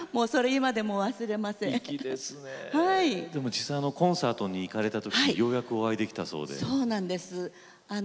実際、コンサートに招かれてようやくお会いできたそうですね。